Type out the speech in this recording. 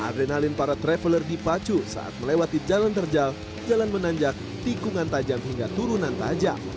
adrenalin para traveler dipacu saat melewati jalan terjal jalan menanjak tikungan tajam hingga turunan tajam